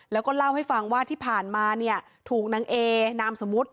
แล้วก็เล่าให้ฟังว่าที่ผ่านมาเนี่ยถูกนางเอนามสมมุติ